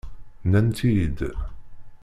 Nnant-iyi-id.